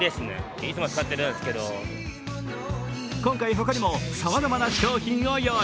今回、ほかにもさまざまな商品を用意。